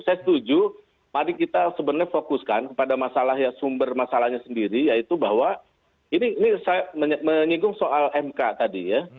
saya setuju mari kita sebenarnya fokuskan kepada masalah ya sumber masalahnya sendiri yaitu bahwa ini saya menyinggung soal mk tadi ya